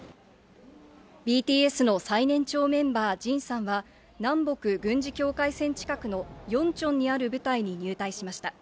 ＢＴＳの最年長メンバー、ＪＩＮさんは南北軍事境界線近くのヨンチョンにある部隊に入隊しました。